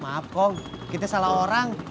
maaf kok kita salah orang